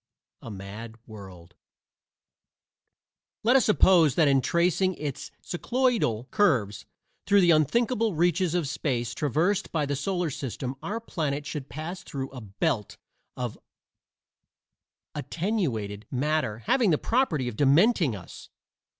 A MAD WORLD Let us suppose that in tracing its cycloidal curves through the unthinkable reaches of space traversed by the solar system our planet should pass through a "belt" of attenuated matter having the property of dementing us!